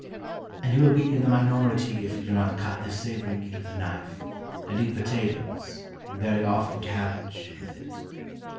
And you will be in the minority if you do not cut this savoury meat with a knife, and eat potatoes, and very often cabbage, with it.